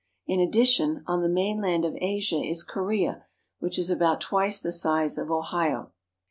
In addition, on the mainland of Asia is Korea, which is about twice the size of Ohio.